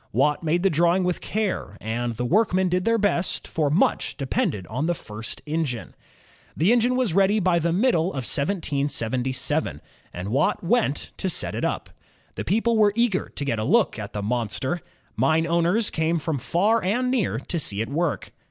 Watt made the drawing with care, and the workmen did their best, for much depended on the first engine. The engine was ready by the middle of 1777, and Watt went to set it up. The people were eager to get a look at the monster. Mine owners came from far and near to see it work.